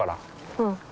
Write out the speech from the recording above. うん。